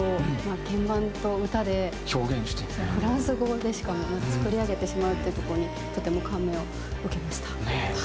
フランス語でしかも作り上げてしまうっていうとこにとても感銘を受けました。